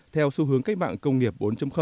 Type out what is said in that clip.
theo xu hướng cách mạng công nghiệp bốn